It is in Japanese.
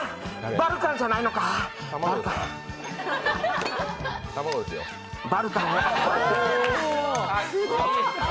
バルカンじゃないのか、バルカン